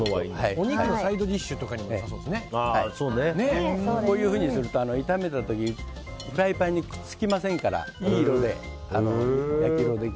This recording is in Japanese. お肉のサイドディッシュとかにもこういうふうにすると炒めた時にフライパンにくっつきませんから。